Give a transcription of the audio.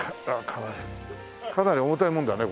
かなり重たいもんだね